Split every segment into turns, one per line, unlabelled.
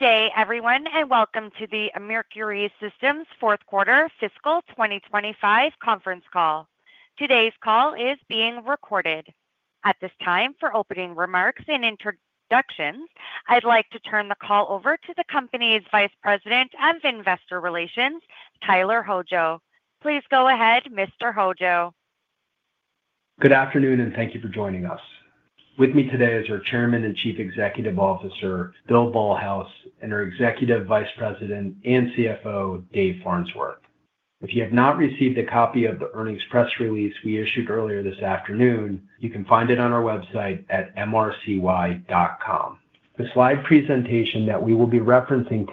Good day everyone and welcome to the Mercury Systems fourth quarter fiscal 2025 conference call. Today's call is being recorded. At this time for opening remarks and introductions, I'd like to turn the call over to the company's Vice President of Investor Relations, Tyler Hojo. Please go ahead.
Mr. Hojo, good afternoon and thank you for joining us. With me today is our Chairman and Chief Executive Officer Bill Ballhaus and our Executive Vice President and CFO Dave Farnsworth. If you have not received a copy of the earnings press release we issued earlier this afternoon, you can find it on our website at mrcy.com. The slide presentation that we will be referencing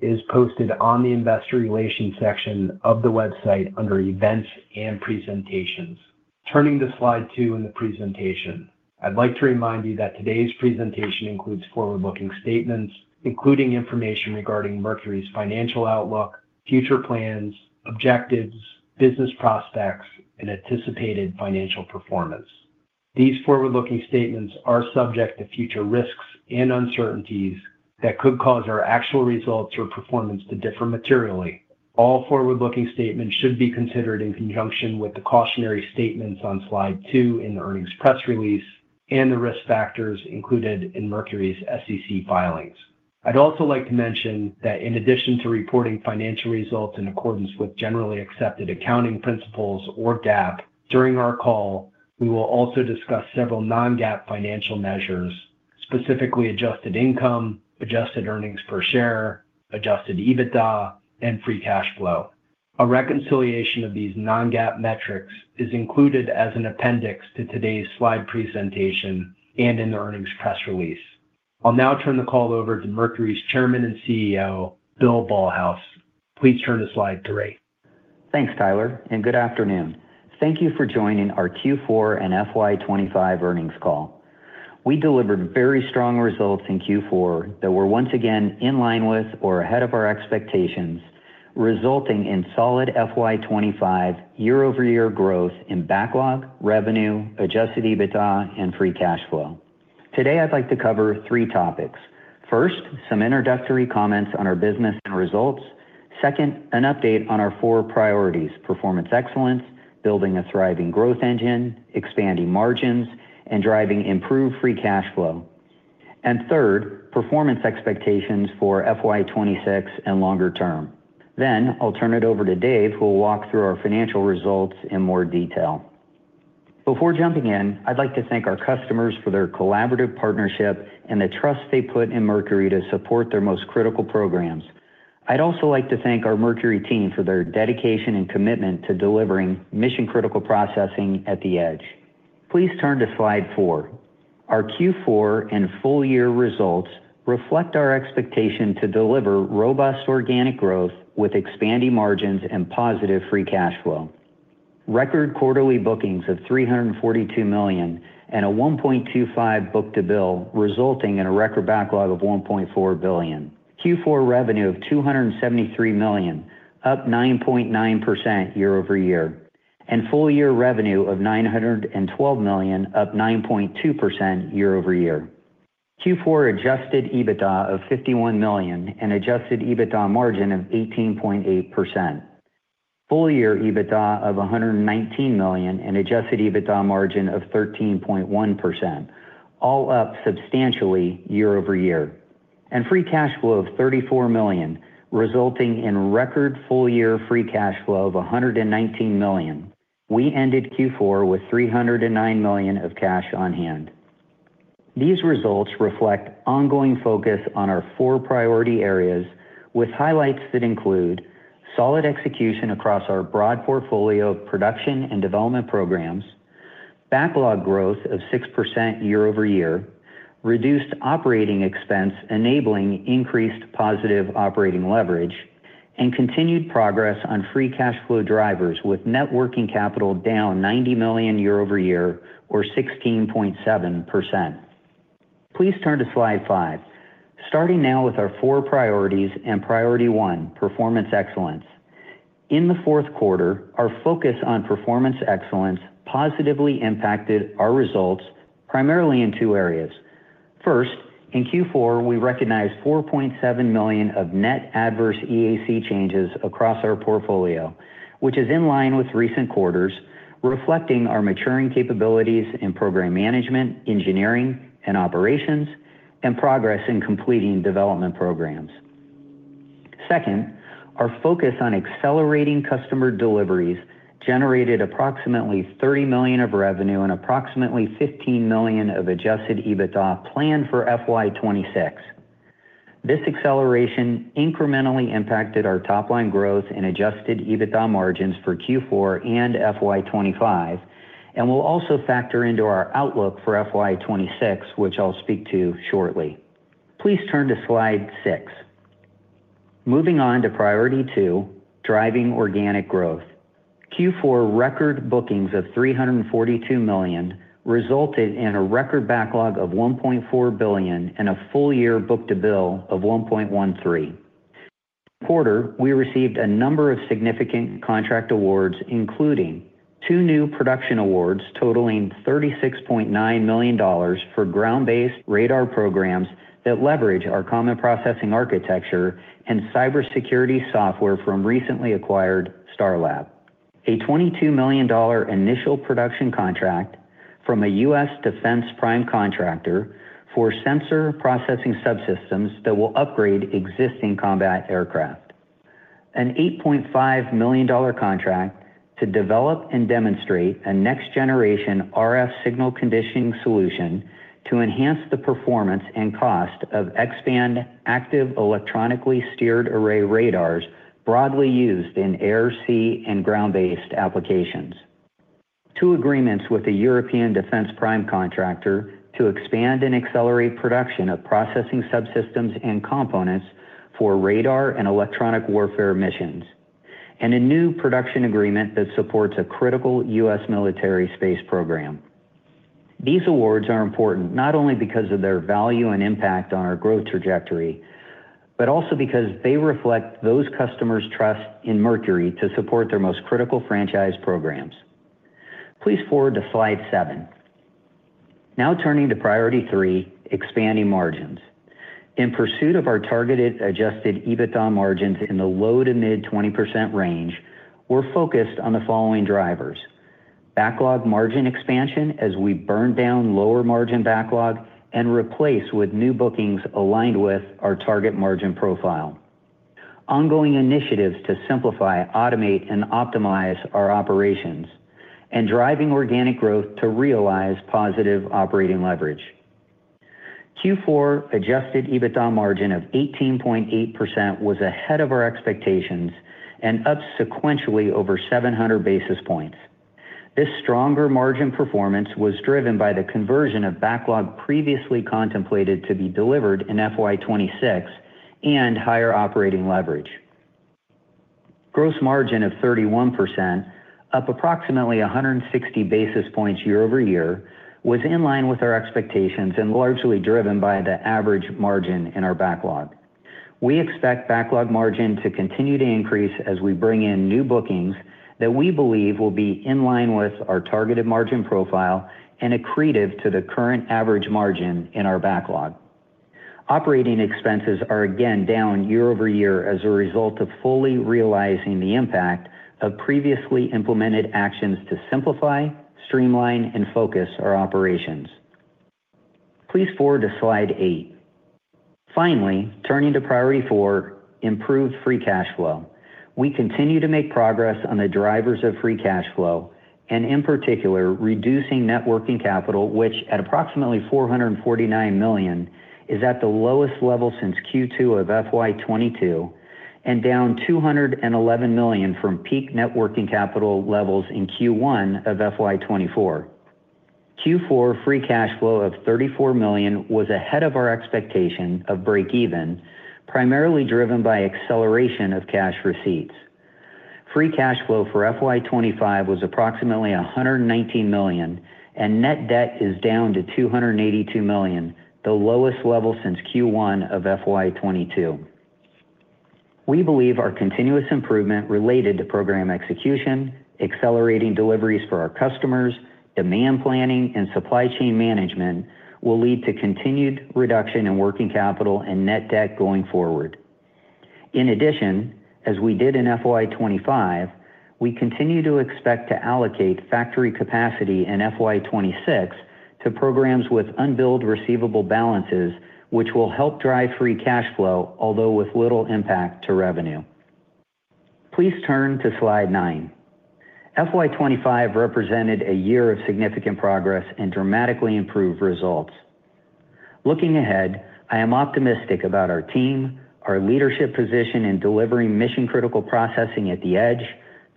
is posted on the Investor Relations section of the website under Events and Presentations. Turning to slide 2 in the presentation, I'd like to remind you that today's presentation includes forward-looking statements including information regarding Mercury's financial outlook, future plans, objectives, business prospects, and anticipated financial performance. These forward-looking statements are subject to future risks and uncertainties that could cause our actual results or performance to differ materially. All forward-looking statements should be considered in conjunction with the cautionary statements on slide 2 in the earnings press release and the risk factors included in Mercury's SEC filings. I'd also like to mention that in addition to reporting financial results in accordance with Generally Accepted Accounting Principles or GAAP, during our call we will also discuss several non-GAAP financial measures, specifically adjusted income, adjusted earnings per share, adjusted EBITDA, and free cash flow. A reconciliation of these non-GAAP metrics is included as an appendix to today's slide presentation and in the earnings press release. I'll now turn the call over to Mercury's Chairman and CEO Bill Ballhaus. Please turn to slide three.
Thanks Tyler and good afternoon. Thank you for joining our Q4 and FY2025 earnings call. We delivered very strong results in Q4 that were once again in line with or ahead of our expectations, resulting in solid FY2025 year-over-year growth in backlog, revenue, adjusted EBITDA, and free cash flow. Today I'd like to cover three: first, some introductory comments on our business and results; second, an update on our four performance excellence, building a thriving growth engine, expanding margins, and driving improved free cash flow; and third, performance expectations for FY2026 and longer term. I'll turn it over to Dave who will walk through our financial results in more detail. Before jumping in, I'd like to thank our customers for their collaborative partnership and the trust they put in Mercury to support their most critical programs. I'd also like to thank our Mercury team for their dedication and commitment to delivering mission critical processing at the edge. Please turn to Slide 4. Our Q4 and full year results reflect our expectation to deliver robust organic growth with expanding margins and positive free cash flow. Record quarterly bookings of $342 million and a 1.25 book-to-bill resulting in a record backlog of $1.4 billion, Q4 revenue of $273 million, up 9.9% year-over-year. And full year revenue of $912 million, up 9.2% year-over-year. Q4 adjusted EBITDA of $51 million and adjusted EBITDA margin of 18.8%, full year EBITDA of $119 million and adjusted EBITDA margin of 13.1%, all up substantially year-over-year, and free cash flow of $34 million resulting in record full year free cash flow of $119 million. We ended Q4 with $309 million of cash on hand. These results reflect ongoing focus on our four priority areas with highlights that include solid execution across our broad portfolio of production and development programs, backlog growth of 6% year-over-year, reduced operating expense enabling increased positive operating leverage, and continued progress on free cash flow drivers, with net working capital down $90 million year-over-year or 16.7%. Please turn to Slide 5. Starting now with our four priorities and Priority 1, Performance Excellence. In the fourth quarter, our focus on performance excellence positively impacted our results primarily in two areas. First, in Q4 we recognized $4.7 million of net adverse EAC changes across our portfolio, which is in line with recent quarters, reflecting our maturing capabilities in program management, engineering, and operations, and progress in completing development programs. Second, our focus on accelerating customer deliveries generated approximately $30 million of revenue and approximately $15 million of adjusted EBITDA planned for FY2026. This acceleration incrementally impacted our top line growth and adjusted EBITDA margins for Q4 and FY2025 and will also factor into our outlook for FY2026, which I'll speak to shortly. Please turn to Slide 6. Moving on to Priority 2, driving organic growth. Q4 record bookings of $342 million resulted in a record backlog of $1.4 billion and a full year book-to-bill of 1.13. This quarter we received a number of significant contract awards, including two new production awards totaling $36.9 million for ground-based radar programs that leverage Common Processing Architecture and cybersecurity software from recently acquired Star Lab, a $22 million initial production contract from a U.S. defense prime contractor for sensor processing subsystems that will upgrade existing combat aircraft, an $8.5 million contract to develop and demonstrate a next generation RF signal conditioning solution to enhance the performance and cost of X-band Active Electronically Steered Array radars broadly used in air, sea, and ground-based applications, two agreements with a European defense prime contractor to expand and accelerate production of processing subsystems and components for radar and electronic warfare missions, and a new production agreement that supports a critical U.S. military space program. These awards are important not only because of their value and impact on our growth trajectory, but also because they reflect those customers' trust in Mercury to support their most critical franchise programs. Please forward to slide 7. Now turning to priority 3, expanding margins in pursuit of our targeted adjusted EBITDA margins in the low to mid 20% range, we're focused on the following: backlog margin expansion as we burn down lower margin backlog and replace with new bookings aligned with our target margin profile, ongoing initiatives to simplify, automate, and optimize our operations, and driving organic growth to realize positive operating leverage. Q4 adjusted EBITDA margin of 18.8% was ahead of our expectations and up sequentially over 700 basis points. This stronger margin performance was driven by the conversion of backlog previously contemplated to be delivered in FY2026 and higher operating leverage. Gross margin of 31%, up approximately 160 basis points year-over-year, was in line with our expectations and largely driven by the average margin in our backlog. We expect backlog margin to continue to increase as we bring in new bookings that we believe will be in line with our targeted margin profile and accretive to the current average margin in our backlog. Operating expenses are again down year-over-year as a result of fully realizing the impact of previously implemented actions to simplify, streamline, and focus our operations. Please forward to slide 8. Finally, turning to priority 4, improved free cash flow, we continue to make progress on the drivers of free cash flow and in particular reducing net working capital, which at approximately $449 million is at the lowest level since Q2 of FY2022 and down $211 million from peak net working capital levels in Q1 of FY24. Q4 free cash flow of $34 million was ahead of our expectation of break even, primarily driven by acceleration of cash receipts. Free cash flow for FY2025 was approximately $119 million and net debt is down to $282 million, the lowest level since Q1 of FY22. We believe our continuous improvement related to program execution, accelerating deliveries for our customers, demand planning, and supply chain management will lead to continued reduction in working capital and net debt going forward. In addition, as we did in FY2025, we continue to expect to allocate factory capacity in FY2026 to programs with unbilled receivable balances, which will help drive free cash flow, although with little impact to revenue. Please turn to slide 9. FY2025 represented a year of significant progress and dramatically improved results. Looking ahead, I am optimistic about our team, our leadership position in delivering mission critical processing at the edge,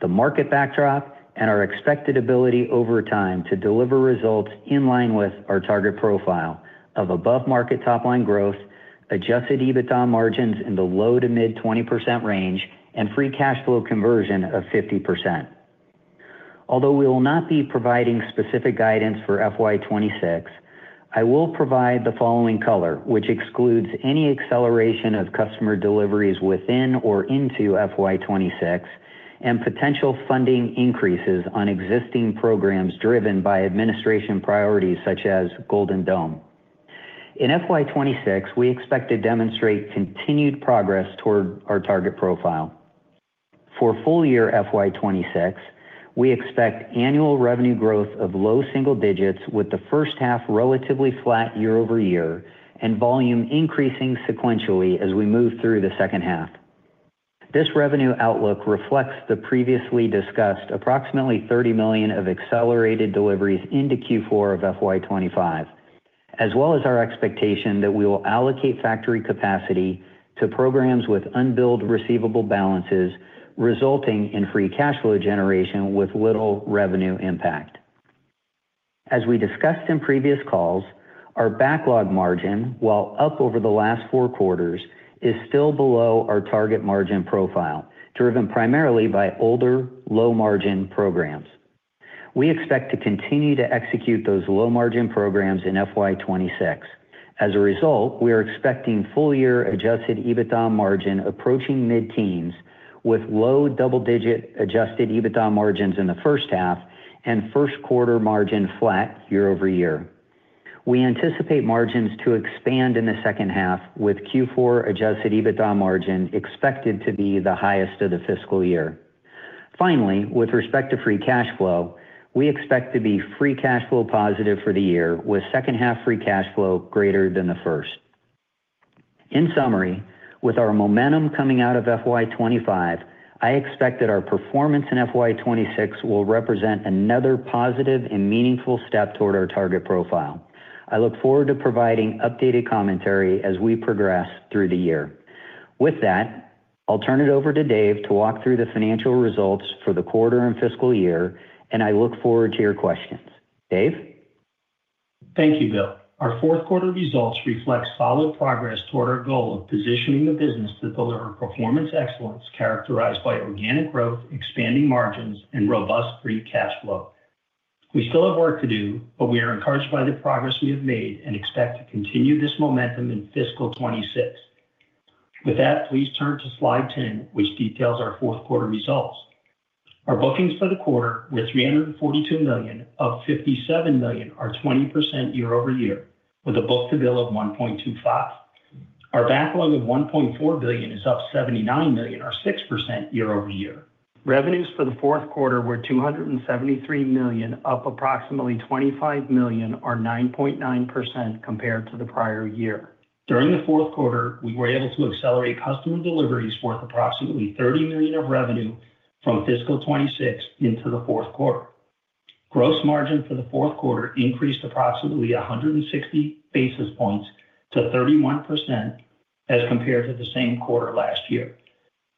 the market backdrop, and our expected ability over time to deliver results in line with our target profile of above market top line growth, adjusted EBITDA margins in the low to mid 20% range, and free cash flow conversion of 50%. Although we will not be providing specific guidance for FY2026, I will provide the following color which excludes any acceleration of customer deliveries within or into FY2026 and potential funding increases on existing programs driven by administration priorities such as Golden Dome. In FY2026, we expect to demonstrate continued progress toward our target profile for the full year. For FY2026, we expect annual revenue growth of low single digits with the first half relatively flat year-over-year and volume increasing sequentially as we move through the second half. This revenue outlook reflects the previously discussed approximately $30 million of accelerated deliveries into Q4 of FY2025 as well as our expectation that we will allocate factory capacity to programs with unbilled receivable balances resulting in free cash flow generation with little revenue impact. As we discussed in previous calls, our backlog margin, while up over the last four quarters, is still below our target margin profile driven primarily by older low margin programs. We expect to continue to execute those low margin programs in FY2026. As a result, we are expecting full year adjusted EBITDA margin approaching mid teens with low double digit adjusted EBITDA margins in the first half and first quarter margin flat year-over-year. We anticipate margins to expand in the second half with Q4 adjusted EBITDA margin expected to be the highest of the fiscal year. Finally, with respect to free cash flow, we expect to be free cash flow positive for the year with second half free cash flow greater than the first. In summary, with our momentum coming out of FY2025, I expect that our performance in FY2026 will represent another positive and meaningful step toward our target profile. I look forward to providing updated commentary as we progress through the year. With that, I'll turn it over to Dave to walk through the financial results for the quarter and fiscal year and I look forward to your questions.
Dave, thank you, Bill. Our fourth quarter results reflect solid progress toward our goal of positioning the business to deliver performance excellence characterized by organic growth, expanding margins, and robust free cash flow. We still have work to do, but we are encouraged by the progress we have made and expect to continue this momentum in fiscal 2026. With that, please turn to slide 10, which details our fourth quarter results. Our bookings for the quarter were $342 million, up $57 million or 20% year-over-year, with a book-to-bill of 1.25. Our backlog of $1.4 billion is up $79 million or 6% year-over-year. Revenues for the fourth quarter were $273 million, up approximately $25 million or 9.9% compared to the prior year. During the fourth quarter, we were able to accelerate customer deliveries worth approximately $30 million of revenue from fiscal 2026 into the fourth quarter. Gross margin for the fourth quarter increased approximately 160 basis points to 31% as compared to the same quarter last year.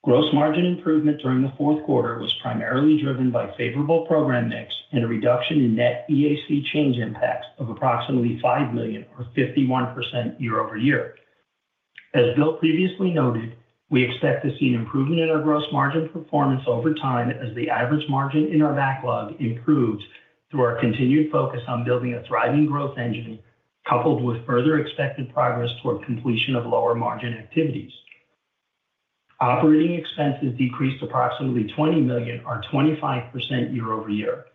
Gross margin improvement during the fourth quarter was primarily driven by favorable program mix and a reduction in net EAC change impacts of approximately $5 million or 51% year-over-year. As Bill previously noted, we expect to see an improvement in our gross margin performance over time as the average margin in our backlog improves through our continued focus on building a thriving growth engine, coupled with further expected progress toward completion of lower margin activities. Operating expenses decreased approximately $20 million or 25% year-over-year.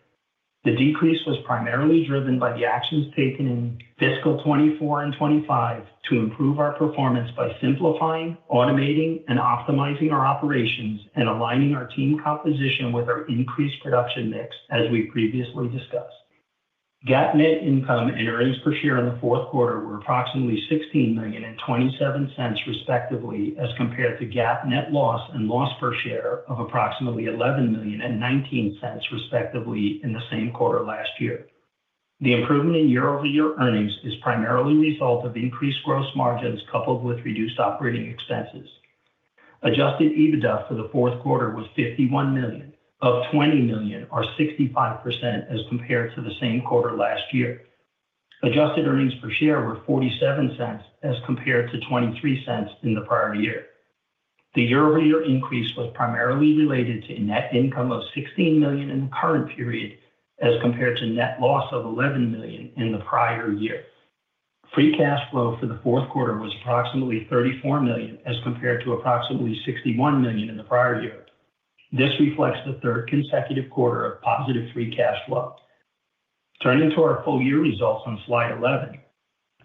The decrease was primarily driven by the actions taken in fiscal 2024 and 2025 to improve our performance by simplifying, automating, and optimizing our operations and aligning our team composition with our increased production mix. As we previously discussed, GAAP net income and earnings per share in the fourth quarter were approximately $16 million and $0.27, respectively, as compared to GAAP net loss and loss per share of approximately $11 million and $0.19, respectively, in the same quarter last year. The improvement in year-over-year earnings is primarily a result of increased gross margins coupled with reduced operating expenses. Adjusted EBITDA for the fourth quarter was $51 million, up $20 million or 65% as compared to the same quarter last year. Adjusted earnings per share were $0.47 as compared to $0.23 in the prior year. The year-over-year increase was primarily related to net income of $16 million in the current period as compared to net loss of $11 million in the prior year. Free cash flow for the fourth quarter was approximately $34 million as compared to approximately $61 million in the prior year. This reflects the third consecutive quarter of positive free cash flow. Turning to our full year results on. Slide 11,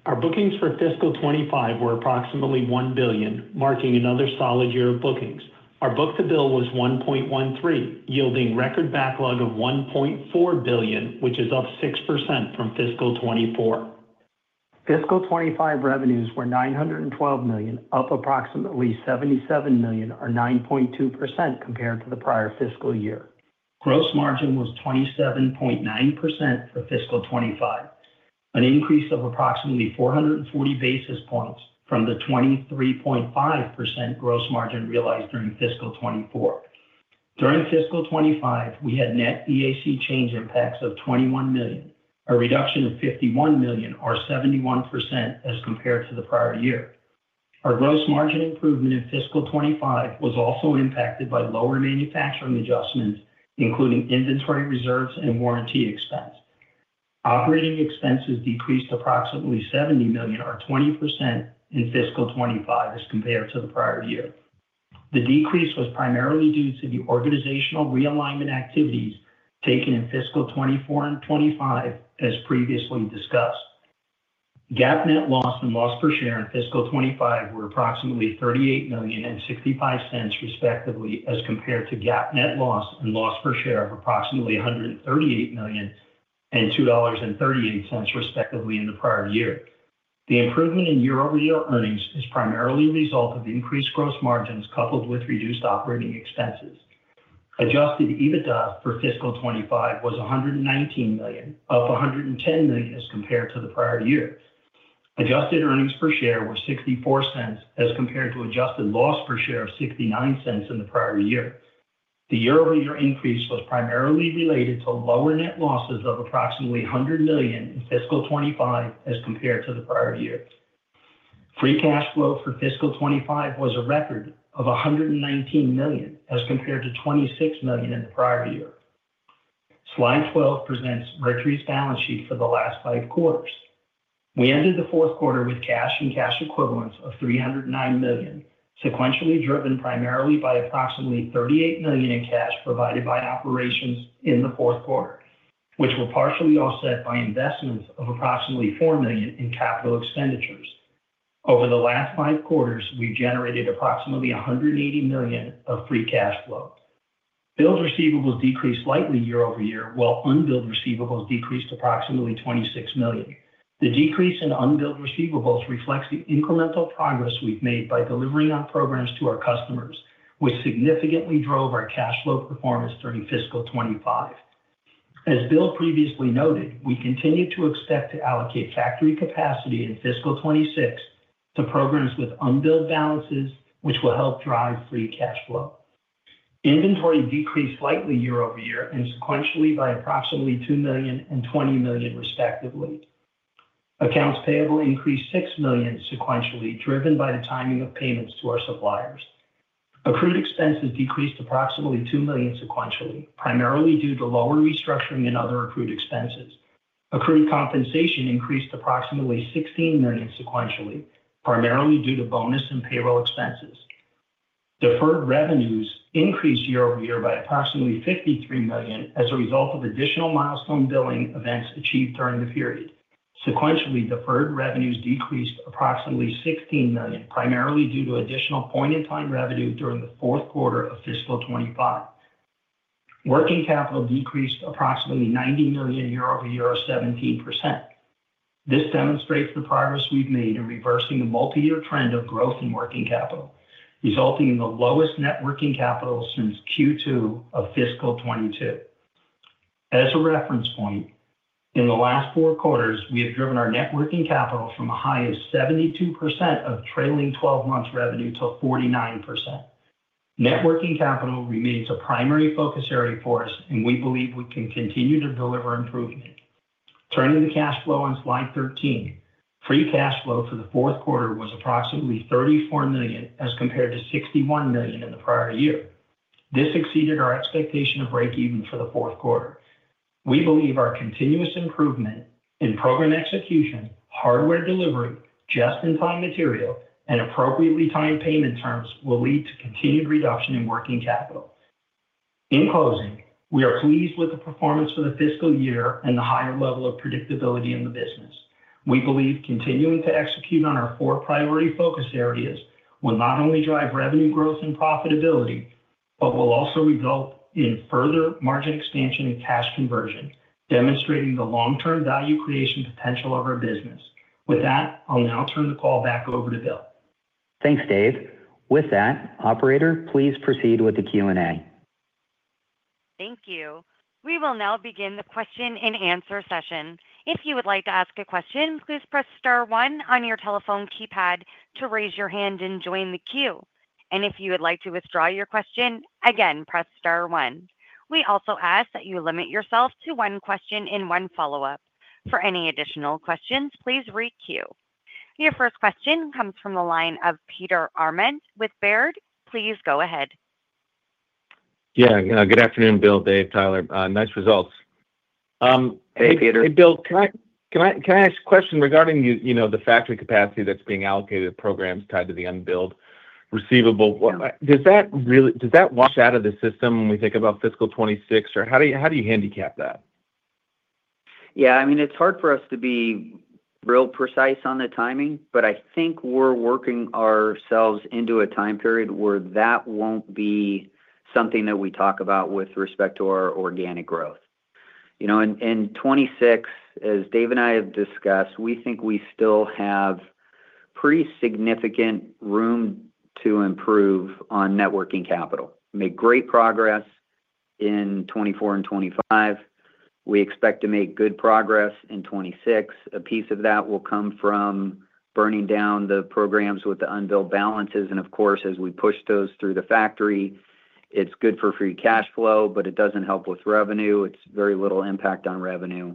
our bookings for fiscal 2025 were approximately $1 billion, marking another solid year of bookings. Our book-to-bill was 1.13, yielding. Record backlog of $1.4 billion, which is up 6% from fiscal 2024. Fiscal 2025 revenues were $912 million, up approximately $77 million or 9.2% compared to the prior fiscal year. Gross margin was 27.9% for fiscal 2025, an increase of approximately 440 basis points from the 23.5% gross margin realized during fiscal 2024. During fiscal 2025 we had net EAC change impacts of $21 million, a reduction of $51 million or 71% as compared to the prior year. Our gross margin improvement in fiscal 2025 was also impacted by lower manufacturing adjustments including inventory reserves and warranty expense. Operating expenses decreased approximately $70 million or 20% in fiscal 2025 as compared to the prior year. The decrease was primarily due to the organizational realignment activities taken in fiscal 2024 and 2025. As previously discussed, GAAP net loss and loss per share in fiscal 2025 were approximately $38 million and $0.65, respectively, as compared to GAAP net loss and loss per share of approximately $138 million and $2.38, respectively, in the prior year. The improvement in year-over-year earnings is primarily a result of increased gross margins coupled with reduced operating expenses. Adjusted EBITDA for fiscal 2025 was $119 million or $110 million as compared to the prior year. Adjusted earnings per share were $0.64 as compared to adjusted loss per share of $0.69 in the prior year. The year-over-year increase was primarily related to lower net losses of approximately $100 million in fiscal 2025 as compared to the prior year. Free cash flow for fiscal 2025 was a record of $119 million as compared to $26 million in the prior year. Slide 12 presents Mercury's balance sheet for the last five quarters. We ended the fourth quarter with cash and cash equivalents of $309 million, sequentially driven primarily by approximately $38 million in cash provided by operations in the fourth quarter, which were partially offset by investments of approximately $4 million in capital expenditures. Over the last five quarters, we generated approximately $180 million of free cash flow. Receivables decreased slightly year-over-year while unbilled receivables decreased approximately $26 million. The decrease in unbilled receivables reflects the incremental progress we've made by delivering on programs to our customers which significantly drove our cash flow performance during fiscal 2025. As Bill previously noted, we continue to expect to allocate factory capacity in fiscal 2026 to programs with unbilled balances, which will help drive free cash flow. Inventory decreased slightly year-over-year and sequentially by approximately $2 million and $20 million, respectively. Accounts payable increased $6 million sequentially, driven by the timing of payments to our suppliers. Accrued expenses decreased approximately $2 million sequentially, primarily due to lower restructuring and other accrued expenses. Accrued compensation increased approximately $16 million sequentially, primarily due to bonus and payroll expenses. Deferred revenues increased year-over-year by approximately $53 million as a result of additional milestone billing events achieved during the period. Sequentially, deferred revenues decreased approximately $16 million, primarily due to additional point in time revenue. During the fourth quarter of fiscal 2025, working capital decreased approximately $90 million year-over-year, or 17%. This demonstrates the progress we've made in reversing the multi-year trend of growth in working capital, resulting in the lowest net working capital since Q2 of fiscal 2022. As a reference point, in the last four quarters we have driven our net working capital from a high of 72% of trailing twelve months revenue to 49%. Net working capital remains a primary focus area for us, and we believe we can continue to deliver improvement. Turning to cash flow on slide 13, free cash flow for the fourth quarter was approximately $34 million as compared to $61 million in the prior year. This exceeded our expectation of break even for the fourth quarter. We believe our continuous improvement in program execution, hardware delivery, just in time material, and appropriately timed payment terms will lead to continued reduction in working capital. In closing, we are pleased with the performance for the fiscal year and the higher level of predictability in the business. We believe continuing to execute on our four priority focused areas will not only drive revenue growth and profitability, but will also result in further margin expansion and cash conversion, demonstrating the long-term value creation potential of our business. With that, I'll now turn the call back over to Bill.
Thanks Dave. With that, operator, please proceed with the Q&A.
Thank you. We will now begin the question and answer session. If you would like to ask a question, please press Star one on your telephone keypad to raise your hand and join the queue. If you would like to withdraw your question, press Star one. We also ask that you limit yourself to one question and one follow-up. For any additional questions, please re-queue. Your first question comes from the line of Peter Arment with Baird. Please go ahead.
Yeah. Good afternoon, Bill, Dave, Tyler. Nice results.
Hey, Peter.
Hey, Bill. Can I ask a question regarding you the factory capacity that's being allocated, programs tied to the unbilled receivable. Does that really wash out of the system when we think about it Fiscal 2026 or how do you, how do you handicap that?
Yeah, I mean, it's hard for us to be real precise on the timing, but I think we're working ourselves into a time period where that won't be something that we talk about with respect to our organic growth. You know, in 2026, as Dave and I have discussed, we think we still have pretty significant room to improve on net working capital, make great progress in 2024 and 2025. We expect to make good progress in 2026. A piece of that will come from burning down the programs with the unbilled receivables. Of course, as we push those through the factory, it's good for free cash flow, but it doesn't help with revenue. It's very little impact on revenue.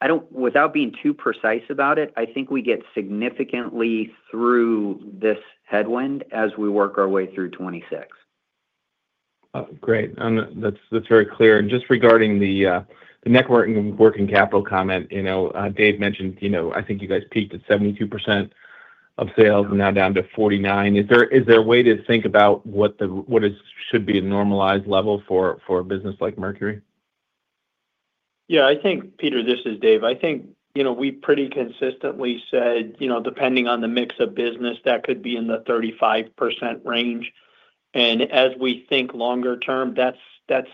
I don't, without being too precise about it, I think we get significantly through this headwind as we work our way through 2026.
Great. That's very clear. Regarding the net working capital comment, Dave mentioned, I think you guys peaked at 72% of sales and now down to 49%. Is there a way to think about what it is should be a normalized level for a business like Mercury?
Yeah, I think, Peter, this is Dave. I think, you know, we pretty consistently said, you know, depending on the mix of business, that could be in the 35% range. As we think longer term, that's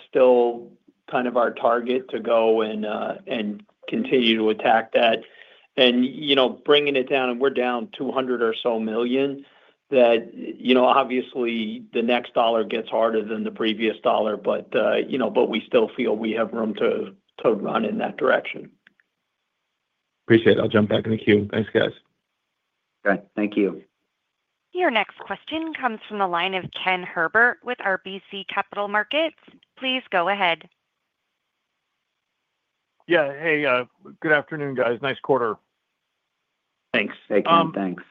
still kind of our target to go and continue to attack that and, you know, bringing it down. We're down $200 million or so. Obviously, the next dollar gets harder than the previous dollar, but we still feel we have room to run in that direction.
Appreciate it. I'll jump back in the queue. Thanks, guys.
Thank you.
Your next question comes from the line of Ken Herbert with RBC Capital Markets. Please go ahead.
Yeah. Hey, good afternoon, guys. Nice quarter.
Thanks.
Thanks.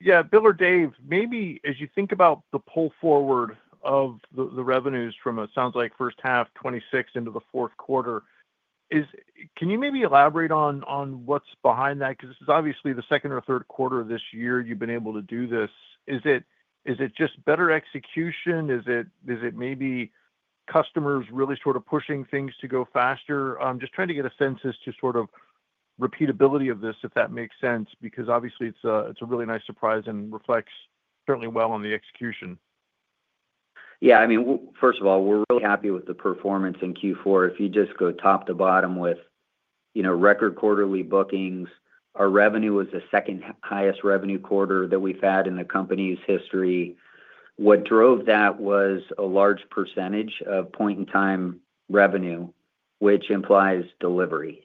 Yeah, Bill or Dave, maybe as you think about the pull forward of the revenues from, it sounds like first half 2026 into the fourth quarter, can you maybe elaborate on what's behind that? Because this is obviously the second or third quarter of this year you've been able to do this. Is it just better execution? Is it maybe customers really sort of pushing things to go faster? I'm just trying to get a sense as to sort of repeatability of this, if that makes sense. Because obviously it's a really nice surprise and reflects certainly well on the execution.
Yeah, I mean, first of all, we're really happy with the performance in Q4. If you just go top to bottom with, you know, record quarterly bookings. Our revenue was the second highest revenue quarter that we've had in the company's history. What drove that was a large percentage of point in time revenue, which implies delivery.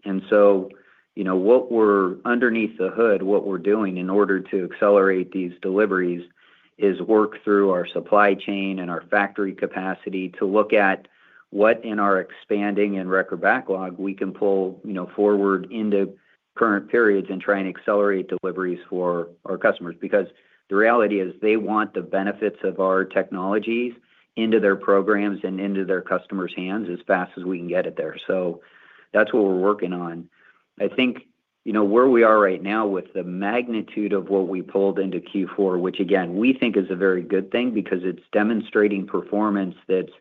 You know, what we're underneath the hood. What we're doing in order to accelerate these deliveries is work through our supply chain and our factory capacity to look at what in our expanding and record backlog we can pull forward into current periods and try and accelerate deliveries for our customers. The reality is they want the benefits of our technologies into their programs and into their customers' hands as fast as we can get it there. That's what we're working on. I think where we are right now with the magnitude of what we pulled into Q4, which again we think is a very good thing because it's demonstrating performance that's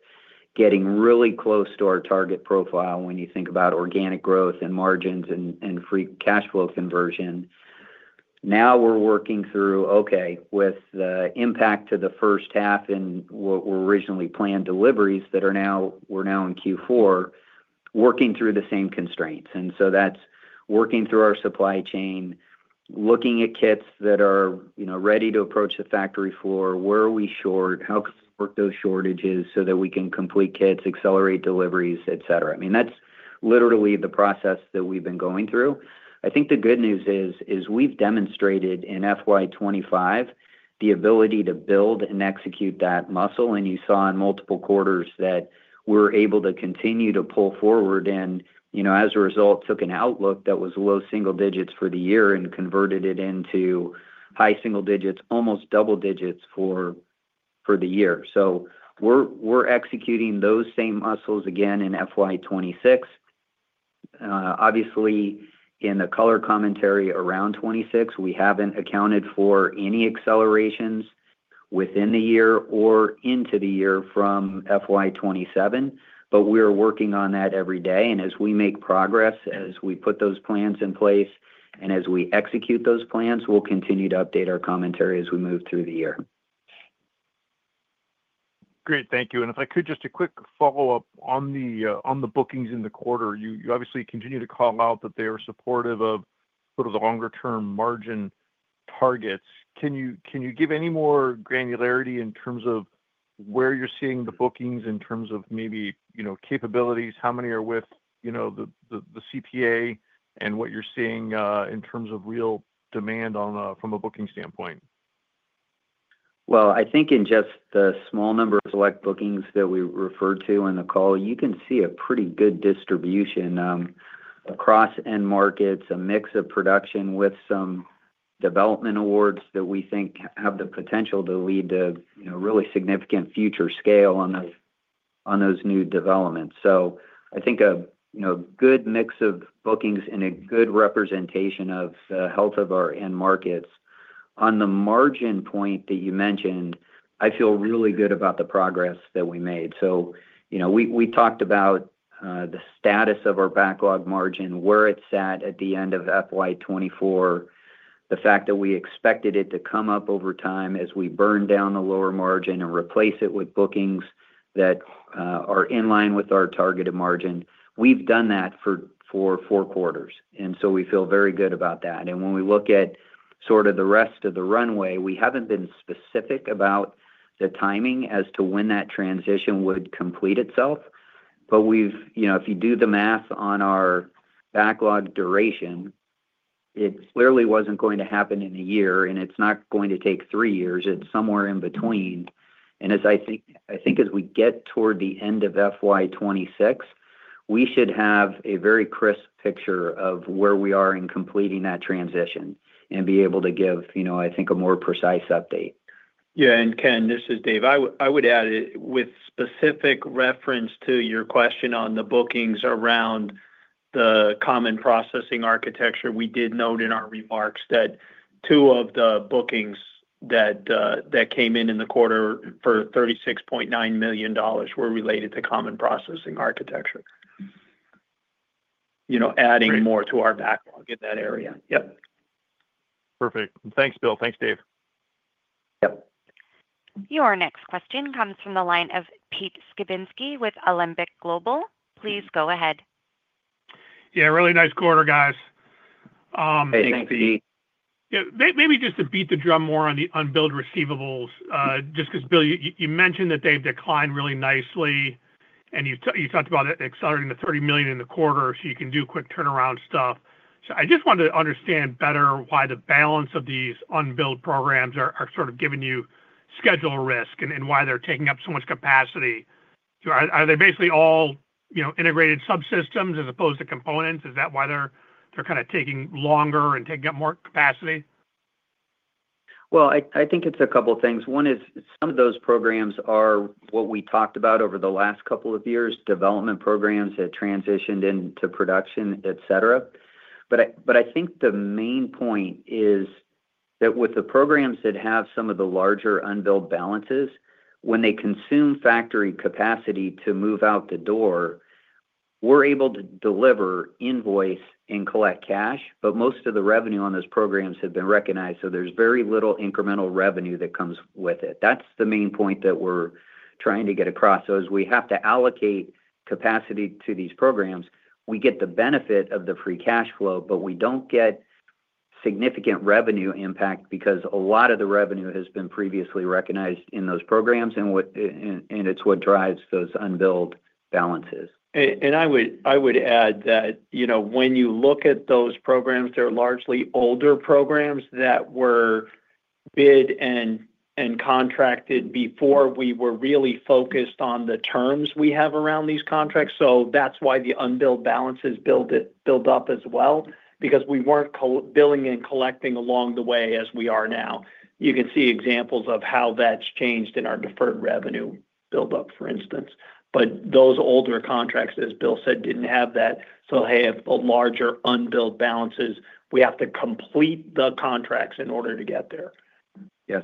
getting really close to our target profile. When you think about organic growth and margins and free cash flow conversion. Now we're working through okay with the impact to the first half and what were originally planned deliveries that are now, we're now in Q4 working through the same constraints. That's working through our supply chain, looking at kits that are, you know, ready to approach the factory floor. Where are we short, how those shortages so that we can complete kits, accelerate deliveries, et cetera. I mean, that's literally the process that we've been going through. I think the good news is we've demonstrated in FY2025 the ability to build and execute that muscle. You saw in multiple quarters that we're able to continue to pull forward and as a result took an outlook that was low single digits for the year and converted it into high single digits, almost double digits for the year. We're executing those same muscles again in FY2026. Obviously in the color commentary around 26, we haven't accounted for any accelerations within the year or into the year from FY2027. We are working on that every day. As we make progress, as we put those plans in place and as we execute those plans, we'll continue to update our commentary as we move through the year.
Great, thank you. If I could just a quick follow up on the bookings in the quarter, you continue to call out that they are supportive of the longer term margin targets. Can you give any more granularity in terms of where you're seeing the bookings, in terms of maybe capabilities, how many are with the CPA and what you're seeing in terms of real demand from a booking standpoint?
I think in just the small number of select bookings that we referred to on the call, you can see a pretty good distribution across end markets, a mix of production with some development awards that we think have the potential to lead to really significant future scale on those new developments. I think a good mix of bookings and a good representation of health of our end markets. On the margin point that you mentioned, I feel really good about the progress that we made. We talked about the status of our backlog margin where it sat at the end of FY2024, the fact that we expected it to come up over time as we burn down the lower margin and replace it with bookings that are in line with our targeted margin. We've done that for four quarters and we feel very good about that. When we look at sort of the rest of the runway, we haven't been specific about the timing as to when that transition would complete itself, but if you do the math on our backlog duration, it clearly wasn't going to happen in a year and it's not going to take three years.It's somewhere in between. As we get toward the end of FY2026, we should have a very crisp picture of where we are in completing that transition and be able to give, you know, I think a more precise update.
Ken, this is Dave. I would add with specific reference to your question on the bookings around the Common Processing Architecture, we did note in our remarks that two of the bookings that came in in the quarter for $36.9 million were related to Common Processing Architecture, adding more to our backlog in that area.
Yep, perfect. Thanks, Bill. Thanks, Dave.
Your next question comes from the line of Pete Skibitski with Alembic Global Advisors. Please go ahead.
Yeah, really nice quarter, guys.
Hey, thanks, Pete.
Yeah, maybe just to beat the drum more on the unbilled receivables. Just because, Bill, you mentioned that they've declined really nicely and you talked about accelerating the $30 million in the quarter so you can do quick turnaround stuff. I just wanted to understand better why the balance of these unbilled programs are sort of giving you schedule risk and why they're taking up so much capacity. Are they basically all, you know, integrated subsystems as opposed to components? Is that why they're kind of taking longer and taking up more capacity?
I think it's a couple of things. One is some of those programs are what we talked about over the last couple of years. Development programs had transitioned into production, et cetera. I think the main point is that with the programs that have some of the larger unbilled balances, when they consume factory capacity to move out the door, we're able to deliver, invoice, and collect cash. Most of the revenue on those programs has been recognized, so there's very little incremental revenue that comes with it. That's the main point that we're trying to get across. As we have to allocate capacity to these programs, we get the benefit of the free cash flow, but we don't get significant revenue impact because a lot of the revenue has been previously recognized in those programs, and it's what drives those unbilled balances.
I would add that, you know, when you look at those programs, they're largely older programs that were bid and contracted before we were really focused on the terms we have around these contracts. That's why the unbilled balances build up as well, because we weren't billing and collecting along the way as we are now. You can see examples of how that's change in our deferred revenue buildup, for instance. Those older contracts, as Bill said, didn't have that, so have a larger unbilled balances. We have to complete the contracts in order to get there.
Yeah,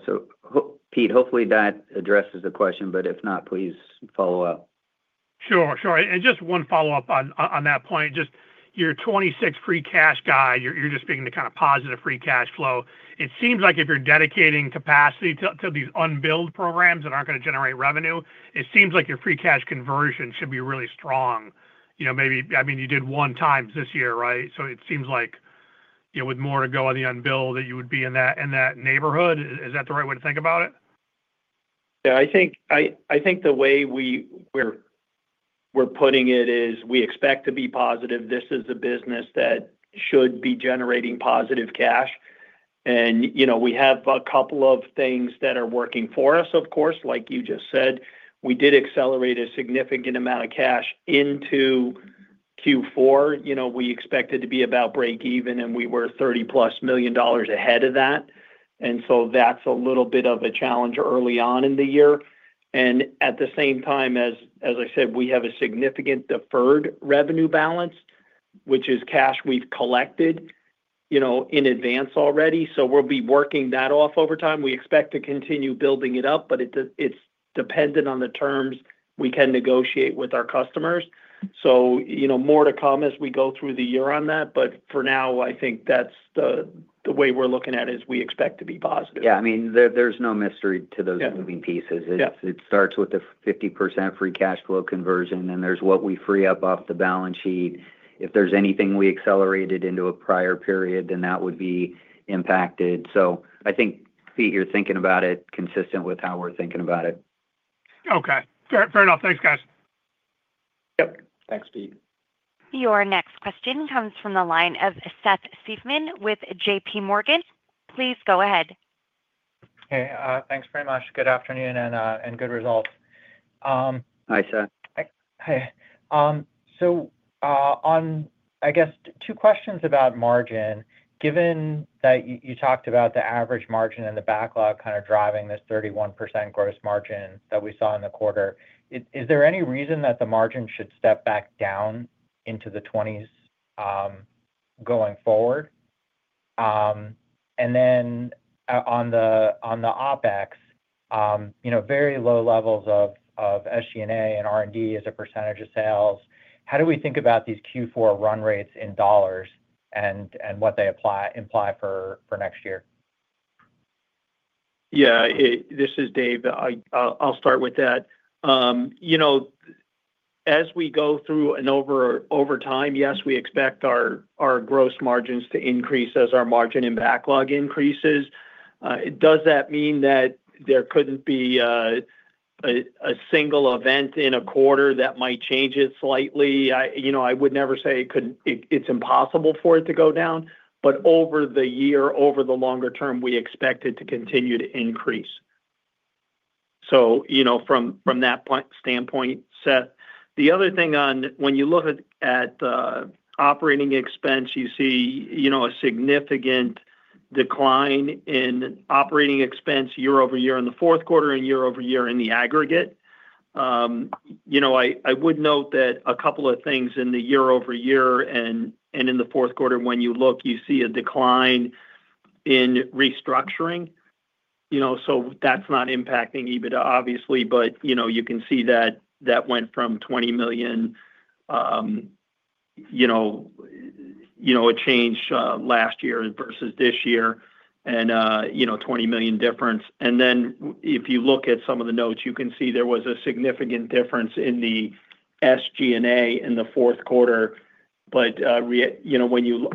Pete, hopefully that addresses the question. If not, please follow up.
Sure. Just one follow-up on that point. Just your 2026 free cash guide. You're just speaking to kind of positive free cash flow. It seems like if you're dedicating capacity to these unbilled programs that aren't going to generate revenue, it seems like your free cash conversion should be really strong. I mean, you did one times this year, right? It seems like, with more to go on the unbilled, that you would be in that neighborhood. Is that the right way to think about it?
I think the way we are putting it is we expect to be positive. This is a business that should be generating positive cash. You know, we have a couple of things that are working for us. Of course, like you just said, we did accelerate a significant amount of cash into Q4. You know, we expected to be about break even and we were $30 million+ ahead of that. That is a little bit of a challenge early on in the year. At the same time, asI said we have a significant deferred revenue balance, which is cash we've collected in advance already. We'll be working that off over time. We expect to continue building it up, but it's dependent on the terms we can negotiate with our customers. More to come as we go through the year on that. For now, I think that's the way we're looking at it is we expect to be positive.
Yeah, I mean, there's no mystery to those moving pieces. It starts with the 50% free cash flow conversion, and there's what we free up off the balance sheet. If there's anything we accelerated into a prior period, then that would be impacted. I think, Pete, you're thinking about it consistent with how we're thinking about it.
Okay, fair enough. Thanks, guys.
Yep, thanks, Pete.
Your next question comes from the line of Seth Seifman with JPMorgan. Please go ahead.
Hey, thanks very much. Good afternoon and good results.
Hi, Seth.
Hi. I guess two questions about margin. Given that you talked about the average margin and the backlog kind of driving this 31% gross margin that we saw in the quarter, is there any reason that the margin should step back down into the 20% going forward? On the OpEx, very low levels of SG&A and R&D as a percentage of sales. How do we think about these Q4 run rates in dollars and what they imply for next year?
Yeah, this is Dave. I'll start with that. As we go through and over time, yes, we expect our gross margins to increase as our margin and backlog increases. Does that mean that there couldn't be a single event in a quarter that might change it slightly? I would never say it couldn't. It's impossible for it to go down. Over the year, over the longer term, we expect it to continue to increase. From that standpoint, Seth, the other thing on when you look at operating expense, you see a significant decline in operating expense year-over-year in the fourth quarter and year-over-year in the aggregate. I would note that a couple of things in the year-over-year and in the fourth quarter when you look, you see a decline in restructuring, so that's not impacting EBITDA obviously, but you can see that that went from $20 million, a change last year versus this year and a $20 million difference. If you look at some of the notes, you can see there was a significant difference in the SG&A in the fourth quarter. When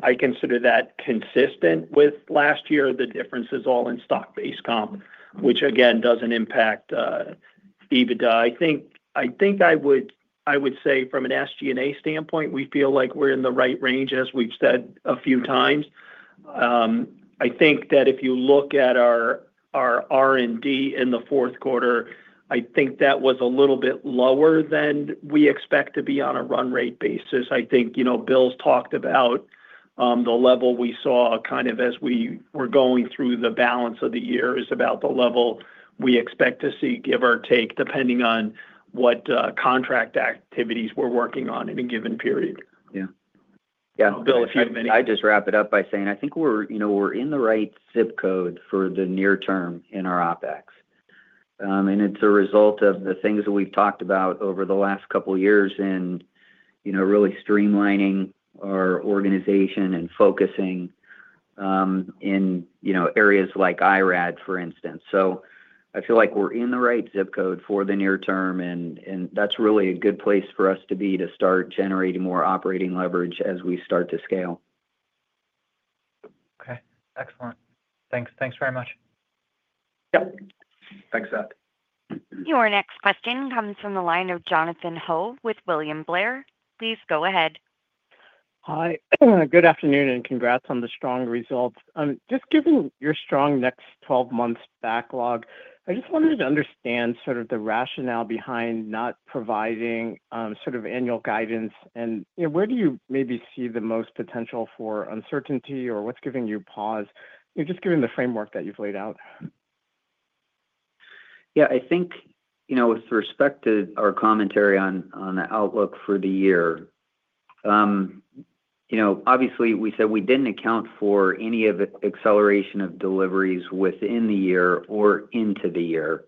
I consider that consistent with last year, the difference is all in stock-based comp, which again doesn't impact EBITDA. I think I would say from an SG&A standpoint, we feel like we're in the right range, as we've said a few times. If you look at our R&D in the fourth quarter, I think that was a little bit lower than we expect to beOn a run rate basis. I think Bill's talked about the level we saw as we were going through the balance of the year is about the level we expect to see, give or take, depending on what contract activities we're working on in a given period.
Yeah, Bill, if you have any, I just wrap it up by saying I think we're in the right zip code for the near term in our OpEx, and it's a result of the things that we've talked about over the last couple years and really streamlining our organization and focusing in areas like IRAD, for instance. I feel like we're in the right zip code for the near term, and that's really a good place for us to be to start generating more operating leverage as we start to scale.
Okay, excellent. Thanks. Thanks very much.
Thanks, Seth.
Your next question comes from the line of Jonathan Ho with William Blair & Company. Please go ahead.
Hi, good afternoon, and congrats on the strong results. Given your strong next 12 months backlog, I just wanted to understand sort of the rationale behind not providing sort of annual guidance and where do you maybe see the most potential for uncertainty. What's giving you pause just given the framework that you've laid out?
Yeah, I think with respect to our commentary on the outlook for the year, obviously we said we didn't account for any of the acceleration of deliveries within the year or into the year.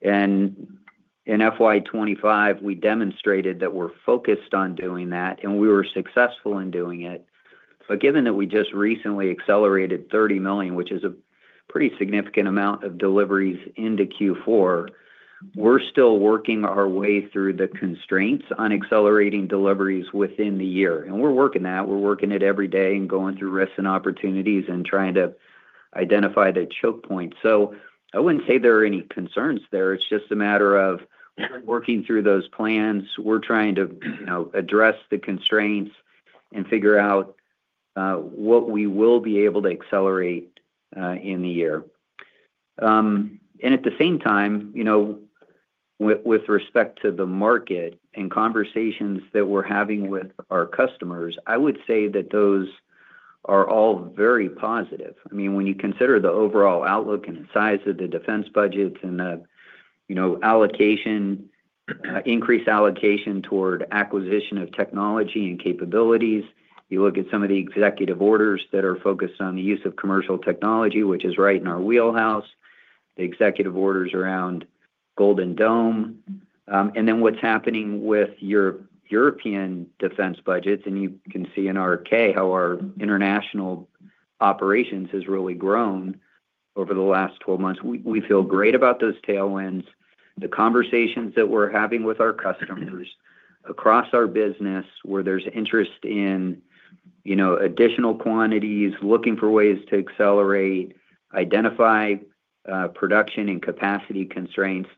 In FY2025 we demonstrated that we're focused on doing that and we were successful in doing it. Given that we just recently accelerated $30 million, which is a pretty significant amount of deliveries into Q4, we're still working our way through the constraints on accelerating deliveries within the year. We're working that every day and going through risks and opportunities and trying to identify the choke point. I wouldn't say there are any concerns there. It's just a matter of working through those plans. We're trying to address the constraints and figure out what we will be able to accelerate in the year. At the same time, with respect to the market and conversations that we're having with our customers, I would say that those are all very positive. I mean, when you consider the overall outlook and size of the defense budgets and allocation, increased allocation toward acquisition of technology and capabilities, you look at some of the executive orders that are focused on the use of commercial technology, which is right in our wheelhouse, the executive orders around Golden Dome, and then what's happening with European defense budgets. You can see in our K how our international operations has really grown over the last 12 months. We feel great about those tailwinds, the conversations that we're having with our customers across our business, where there's interest in additional quantities, looking for ways to accelerate, identify production and capacity constraints.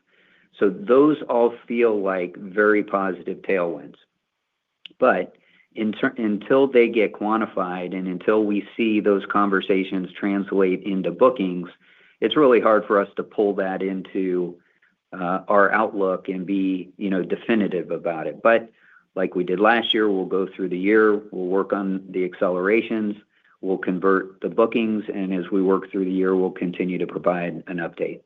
Those all feel like very positive tailwinds. Until they get quantified and until we see those conversations translate into bookings, it's really hard for us to pull that into our outlook and be definitive about it. Like we did last year, we'll go through the year, we'll work on the accelerations, we'll convert the bookings, and as we work through the year, we'll continue to provide an update.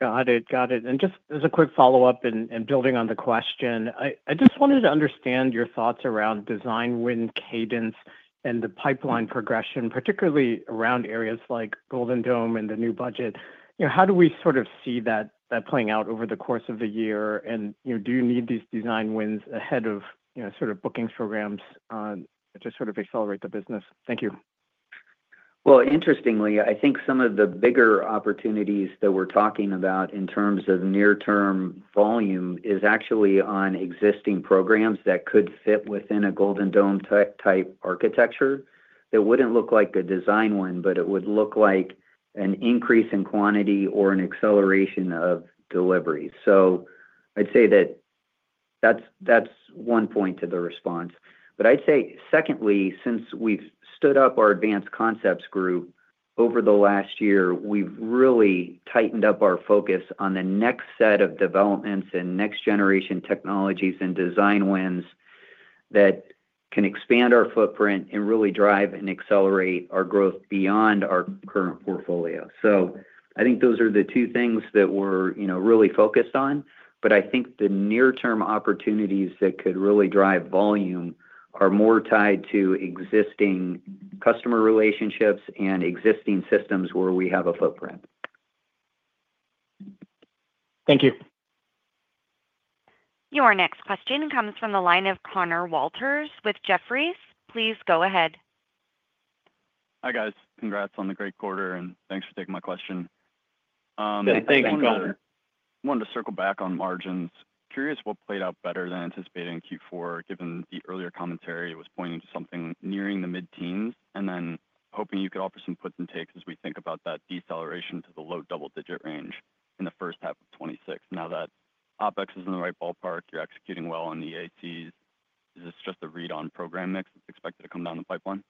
Got it. Just as a quick follow up and building on the question, I just wanted to understand your thoughts around design win cadence and the pipeline progression, particularly around areas like Golden Dome and the new budget. How do we sort of see that playing out over the course of the year? Do you need these design wins ahead of, you know, sort of bookings programs to sort of accelerate the business? Thank you.
Interestingly, I think some of the bigger opportunities that we're talking about in terms of near term volume is actually on existing programs that could fit within a Golden Dome type architecture that wouldn't look like a design win, but it would look like an increase in quantity or an acceleration of deliveries. I'd say that that's one point to the response. I'd say secondly, since we've stood up our Advanced Concepts group over the last year, we've really tightened up our focus on the next set of developments and next generation technologies and design wins that can expand our footprint and really drive and accelerate our growth beyond our current portfolio. I think those are the two things that we're really focused on. I think the near term opportunities that could really drive volume are more tied to existing customer relationships and existing systems where we have a footprint.
Thank you.
Your next question comes from the line of Conor Walters with Jefferies. Please go ahead.
Hi guys, congrats on the great quarter and thanks for taking my question.
Thank you.
Wanted to circle back on margins. Curious what played out better than anticipating Q4 given the earlier commentary. It was pointing to something nearing the mid teens, and then hoping you could offer some puts and takes as we think about that deceleration to the low double digit range in 1H2026. Now that OpEx is in the right ballpark, you're executing well on the EACs. Is this just a read on program mix expected to come down the pipeline?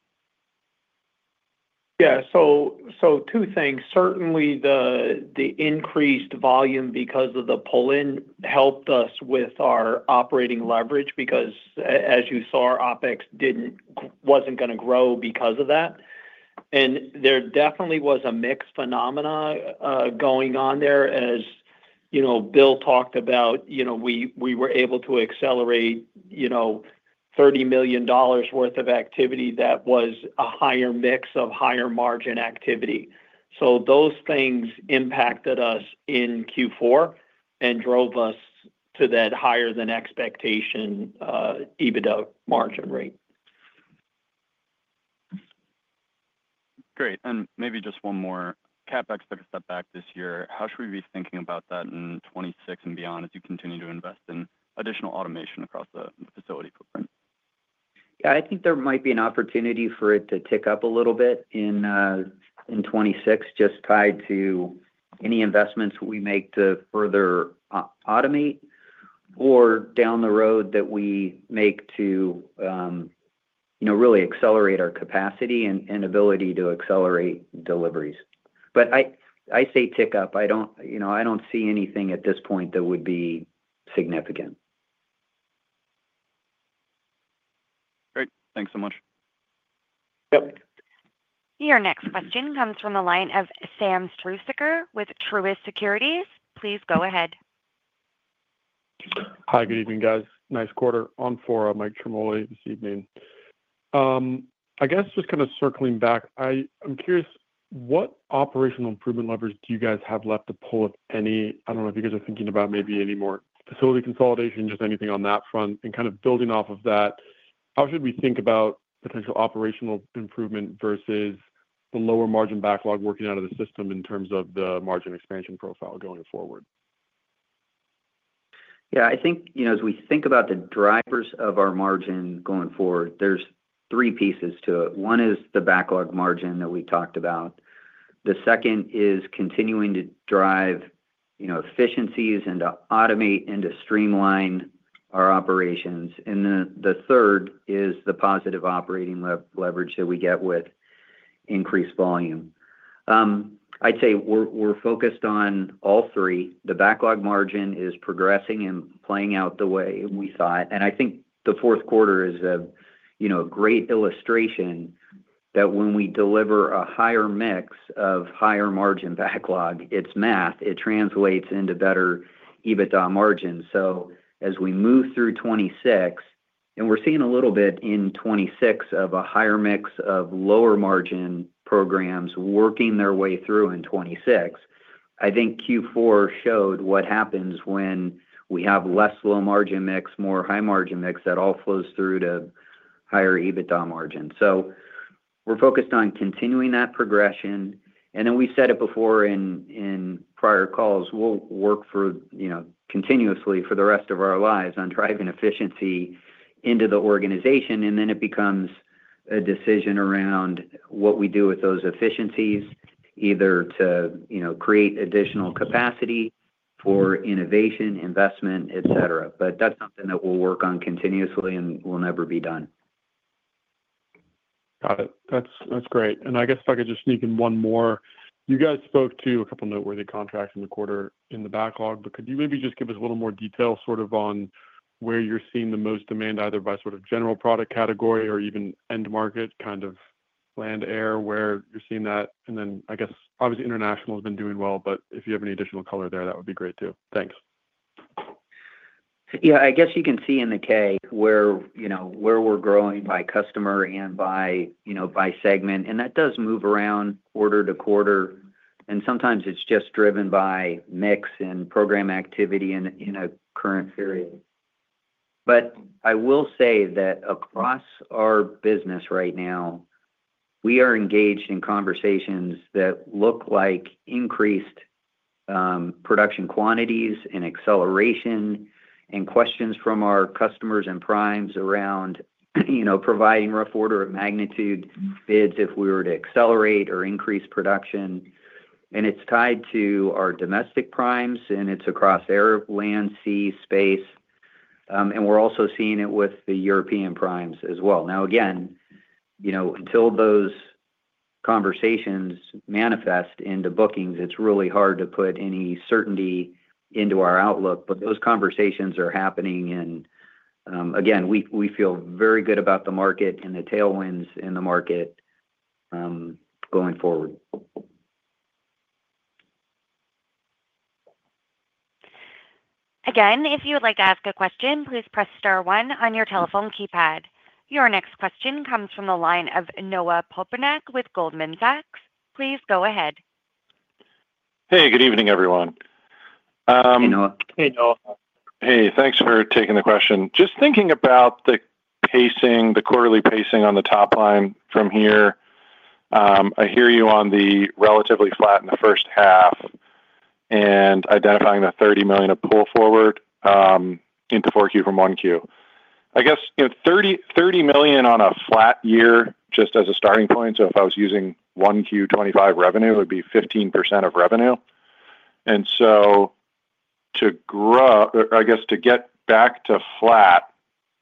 Certainly the increased volume because of the pull in helped us with our operating leverage because, as you saw, OpEx wasn't going to grow because of that. There definitely was a mix phenomena going on there. As Bill talked about, we were able to accelerate $30 million worth of activity that was a higher mix of higher margin activity. Those things impacted us in Q4 and drove us to that higher than expectation EBITDA margin rate.
Great. CapEx took a step back this year. How should we be thinking about that in 2026 and beyond as you continue to invest in additional automation across the facility footprint?
I think there might be an opportunity for it to tick up a little bit in 2026, just tied to any investments we make to further automate or down the road that we make to really accelerate our capacity and ability to accelerate deliveries. I say tick up. I don't see anything at this point that would be significant.
Great, thanks so much.
Your next question comes from the line of Sam Struhsaker with Truist Securities. Please go ahead.
Hi, good evening guys. Nice quarter on for Michael Ciarmoli this evening. I guess just kind of circling back, I'm curious, what operational improvement levers do you guys have left to pull at the, if any. I don't know if you guys are thinking about maybe any more facility consolidation, just anything on that front and kind of building off of that. How should we think about potential operational improvement versus the lower margin backlog working out of the system in terms of the margin expansion profile going forward.
I think, you know, as we think about the drivers of our margin going forward, there's three pieces to it. One is the backlog margin that we talked about. The second is continuing to drive efficiencies and to automate and to streamline our operations. The third is the positive operating leverage that we get with increased volume. I'd say we're focused on all three. The backlog margin is progressing and playing out the way we thought. I think the fourth quarter is a great illustration that when we deliver a higher mix of higher margin backlog, it's math, it translates into better EBITDA margin. As we move through 2026 and we're seeing a little bit in 2026. Of a higher mix of lower margin programs working their way through in 2026, I think Q4 showed what happens when we have less low margin mix, more high margin mix, that all flows through to higher EBITDA margin. We're focused on continuing that progression. We've said it before in prior calls, we'll work continuously for the rest of our lives on driving efficiency into the organization. It becomes a decision around what we do with those efficiencies, either to create additional capacity for innovation, investment, et cetera. That's something that we'll work on continuously and will never be done.
Got it. That's great. I guess if I could just sneak in one more. You guys spoke to a couple noteworthy contracts in the quarter in the backlog, but could you maybe just give us a little more detail on where you're seeing the most demand, either by general product category or even end market, kind of land, air, where you're seeing that. Obviously, international has been doing well, but if you have any additional color there, that would be great too. Thanks.
Yeah, I guess you can see in the K where, you know, where we're growing by customer and by, you know, by segment, and that does move around quarter to quarter, and sometimes it's just driven by mix and program activity in a current period. I will say that across our business right now, we are engaged in conversations that look like increased production quantities and acceleration and questions from our customers and primes around, you know, providing rough order of magnitude bids if we were to accelerate or increase production. It's tied to our domestic primes and it's across air, land, sea, space, and we're also seeing it with the European primes as well. Now, again, you know, until those conversations manifest into bookings, it's really hard to put any certainty into our outlook. Those conversations are happening and again, we feel very good about the market and the tailwinds in the market going forward.
Again, if you would like to ask a question, please press star one on your telephone keypad. Your next question comes from the line of Noah Poponak with Goldman Sachs. Please go ahead.
Hey, good evening everyone. Thanks for taking the question. Just thinking about the pacing, the quarterly pacing on the top line from here, I hear you on the relatively flat in the first half and identifying the $30 million of pull forward into Q4 from Q1. I guess $30 million on a flat year just as a starting point. If I was using Q1, 2025, revenue would be 15% of revenue. To grow, I guess to get back to flat,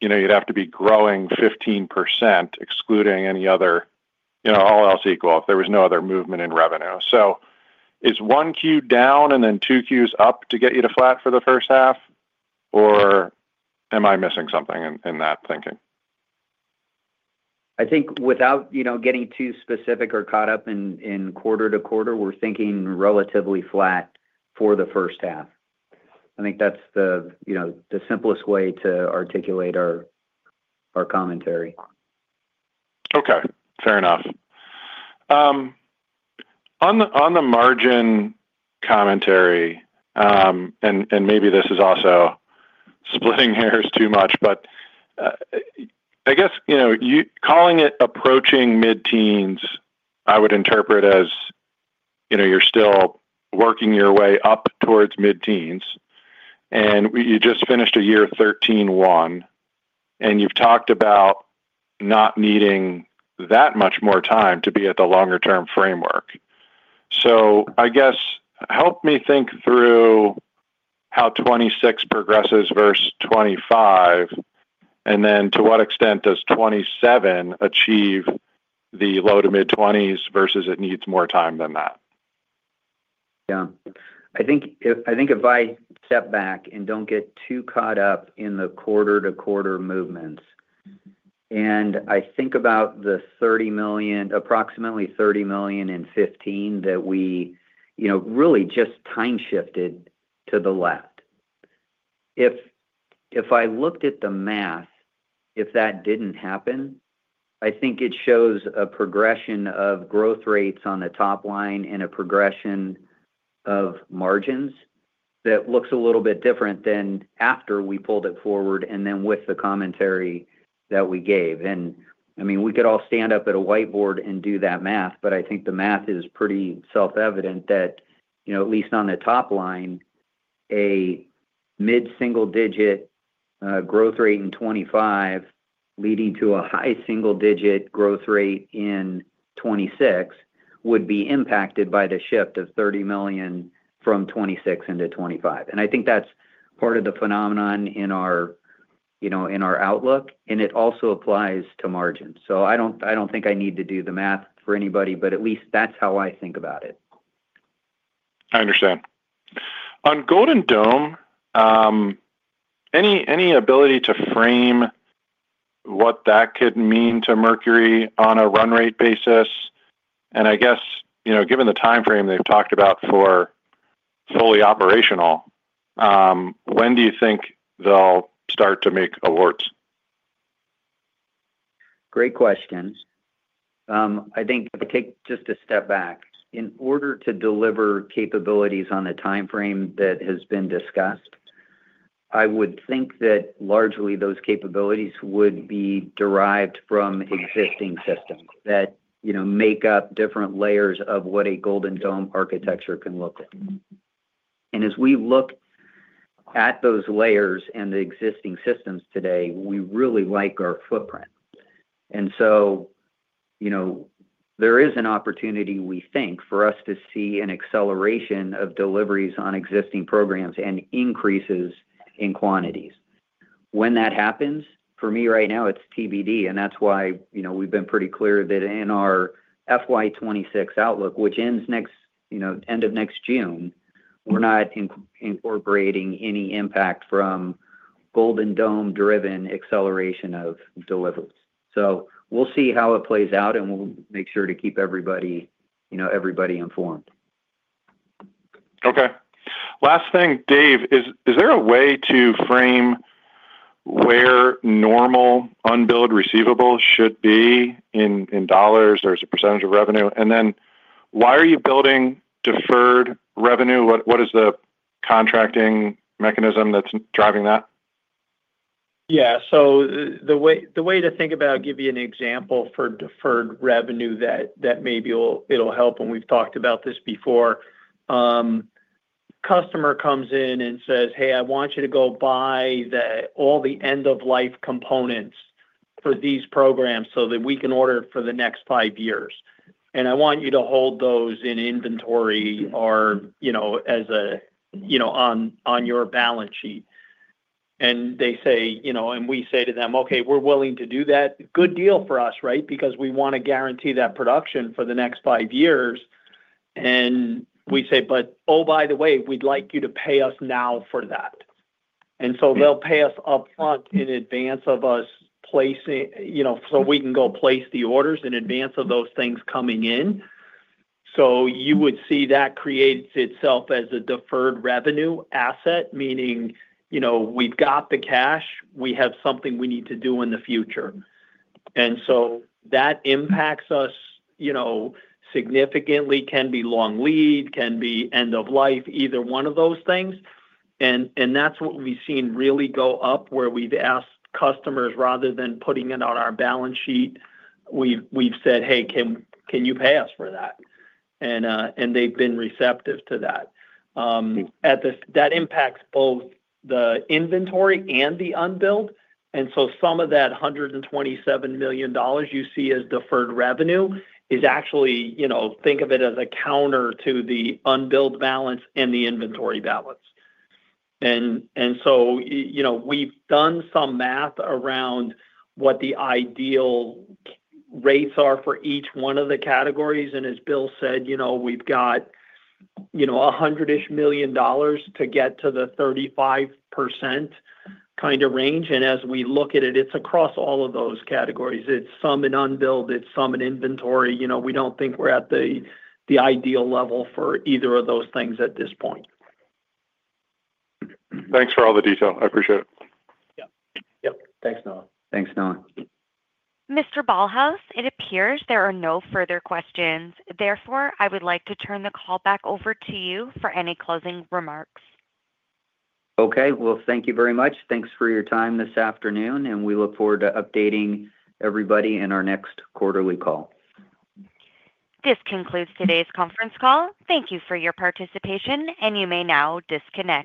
you'd have to be growing 15%, excluding any other, you know, all else equal if there was no other movement in revenue. Is Q1 down and then Q2s up to get you to flat for the first half or am I missing something in that thinking?
I think, without getting too specific or caught up in quarter to quarter, we're thinking relatively flat for the first half. I think that's the simplest way to articulate our commentary.
Okay, fair enough. On the margin commentary, and maybe this is also splitting hairs too much, but I guess, you know, calling it approaching mid teens, I would interpret as, you know, you're still working your way up towards mid teens and you just finished a year at 13.1, and you've talked about not needing that much more time to be at the longer term framework. I guess help me think through how 2026 progresses versus 2025, and then to what extent does 2027 achieve the low to mid 20% versus it needs more time than that.
I think if I step back and don't get too caught up in the quarter to quarter movements and I think about the $30 million, approximately $30 million and $15 million that we really just time shifted to the left. If I looked at the math, if that didn't happen, I think it shows a progression of growth rates on the top line and a progression of margins that looks a little bit different than after we pulled it forward. With the commentary that we gave, we could all stand up at a whiteboard and do that math, but I think the math is pretty self-evident that at least on the top line, a mid single digit growth rate in 2025 leading to a high single digit growth rate in 2026 would be impacted by the shift of $30 million from 2026 into 2025. I think that's part of the phenomenon in our outlook and it also applies to margin. I don't think I need to do the math for anybody, but at least that's how I think about it.
I understand on Golden Dome, any ability to frame what that could mean to Mercury on a run rate basis. I guess, given the time frame they've talked about for fully operational, when do you think they'll start to make awards?
Great questions. I think take just a step back. In order to deliver capabilities on the timeframe that has been discussed, I would think that largely those capabilities would be derived from existing systems that, you know, make up different layers of what a Golden Dome architecture can look like. As we look at those layers and the existing systems today, we really like our footprint. There is an opportunity, we think, for us to see an acceleration of deliveries on existing programs and increases in quantities. When that happens, for me, right now it's TBD. That's why we've been pretty clear that in our FY2026 outlook, which ends next, you know, end of next June, we're not incorporating any impact from Golden Dome driven acceleration of deliveries. We'll see how it plays out and we'll make sure to keep everybody, you know, everybody informed.
Okay, last thing, Dave, is, is there a way to frame where normal unbilled receivables should be in dollars? There's a percentage of revenue, and then why are you building deferred revenue? What is the contracting mechanism that's driving that?
Yeah, the way to think about it, I'll give you an example for deferred revenue that maybe will help. We've talked about this before. Customer comes in and says, hey, I want you to go buy all the end of life components for these programs so that we can order for the next five years. I want you to hold those in inventory or, you know, on your balance sheet. They say, you know, and we say to them, okay, we're willing to do that. Good deal for us, right? We want to guarantee that production for the next five years. We say, but oh, by the way, we'd like you to pay us now for that. They'll pay us upfront in advance of us placing, you know, so we can go place the orders in advance of those things coming in. You would see that creates itself as a deferred revenue asset, meaning we've got the cash, we have something we need to do in the future. That impacts us significantly. Can be long lead, can be end of life, either one of those things. That's what we've seen really go up where we've asked customers, rather than putting it on our balance sheet, we've said, hey, can you pay us for that? They've been receptive to that. That impacts both the inventory and the unbilled. Some of that $127 million you see as deferred revenue is actually, you know, think of it as a counter to the unbilled balance and the inventory balance. We've done some math around what the ideal rates are for each one of the categories. As Bill said, we've got $100 million to get to the 35% kind of range. As we look at it, it's across all of those categories. It's some in unbilled, it's some in inventory. We don't think we're at the ideal level for either of those things at this point.
Thanks for all the detail. I appreciate it.
Yep. Thanks, Noah.
Thanks, Noah.
Mr. Ballhaus, it appears there are no further questions. Therefore, I would like to turn the call back over to you for any closing remarks.
Thank you very much. Thanks for your time this afternoon. We look forward to updating everybody in our next quarterly call.
This concludes today's conference call. Thank you for your participation. You may now disconnect.